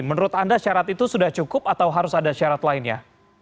menurut anda syarat itu sudah cukup atau harus ada syarat lainnya